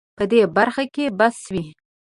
په دې برخه کې بس وي